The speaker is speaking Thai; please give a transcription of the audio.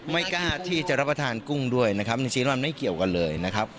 ไม่กล้าที่จะรับประทานกุ้งด้วยนะครับจริงมันไม่เกี่ยวกันเลยนะครับ